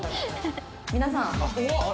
「皆さん」